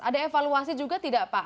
ada evaluasi juga tidak pak